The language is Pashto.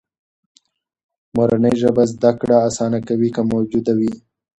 مورنۍ ژبه زده کړه آسانه کوي، که موجوده وي.